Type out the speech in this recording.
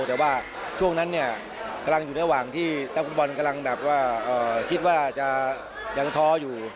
แต่ว่าช่วงนั้นเนี่ยกำลังอยู่ระหว่างที่นักฟุตบอลกำลังแบบว่าคิดว่าจะยังท้ออยู่